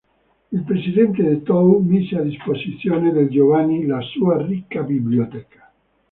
Il presidente de Thou mise a disposizione dei giovani la sua ricca biblioteca.